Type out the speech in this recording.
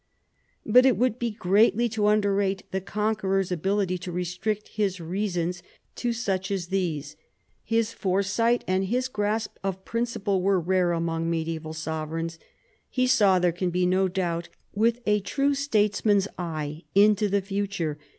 But it would be greatly to underrate the con queror's ability to restrict his reasons to such as these. His foresight and his grasp of principle were rare among medieval sovereigns. He saw, there can be no doubt, with a true statesman's eye, into the future.